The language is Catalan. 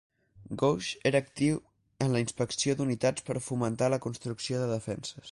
Gough era actiu en la inspecció d'unitats per fomentar la construcció de defenses.